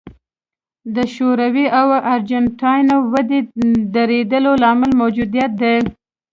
د شوروي او ارجنټاین ودې درېدو لامل موجودیت دی.